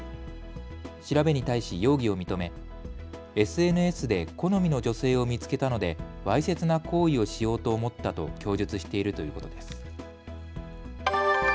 調べに対し容疑を認め、ＳＮＳで好みの女性を見つけたのでわいせつな行為をしようと思ったと供述しているということです。